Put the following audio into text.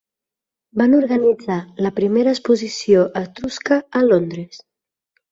Van organitzar la primera exposició etrusca a Londres.